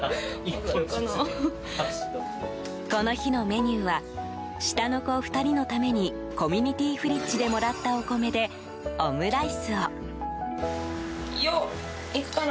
この日のメニューは下の子２人のためにコミュニティフリッジでもらったお米でオムライスを。